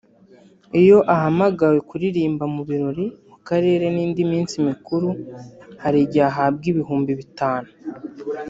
Iyo ahamagawe kuririmba mu birori ku Karere n’indi minsi mikuru hari igihe ahabwa ibihumbi bitanu